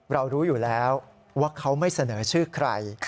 รู้อยู่แล้วว่าเขาไม่เสนอชื่อใคร